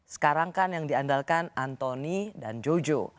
sekarang kan yang diandalkan antoni dan jojo